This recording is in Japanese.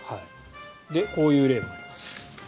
こういう例もあります。